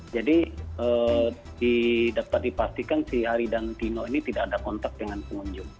jadi dapat dipastikan si haridantino ini tidak ada kontak dengan pengunjung